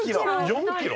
４キロ？